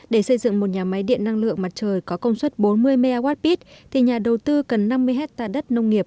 để xây dựng một nhà máy điện năng lượng mặt trời có công suất bốn mươi mwp thì nhà đầu tư cần năm mươi hectare đất nông nghiệp